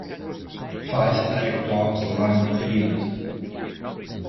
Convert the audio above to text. Five black dogs run in a field.